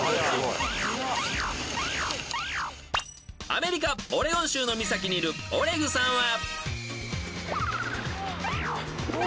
［アメリカオレゴン州の岬にいるオレグさんは］